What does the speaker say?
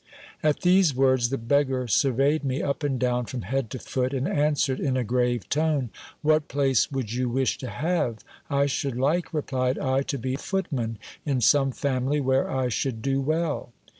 At these words, the beggar surveyed me up and down from head to foot, and answered in a grave tone : What place would you wish to have ? I should like, replied I, to be footman in some family where I should do well.